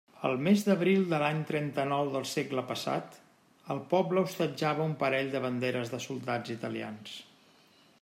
El mes d'abril de l'any trenta-nou del segle passat, el poble hostatjava un parell de banderes de soldats italians.